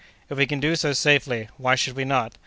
"If we can do so safely, why should we not?